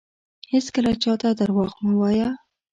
هیڅکله چاته درواغ مه وایه